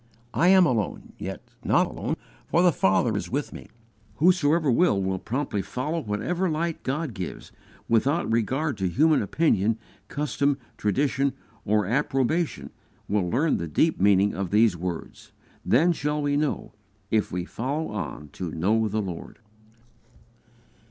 "I am alone; yet not alone, for the Father is with me." Whosoever will promptly follow whatever light God gives, without regard to human opinion, custom, tradition, or approbation, will learn the deep meaning of these words: "Then shall we know, if we follow on to know the Lord."